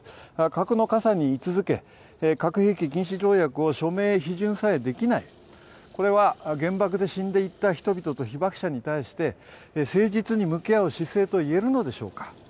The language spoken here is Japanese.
核の傘にい続け、核兵器禁止条約に批准できない、これは原爆で死んでいった人々と被爆者に対して誠実に向き合う姿勢と言えるのでしょうか。